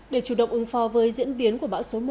để chủ động ứng phó với diễn biến của bão số một